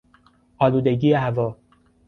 آلودگی هوا